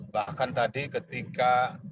bahkan tadi ketika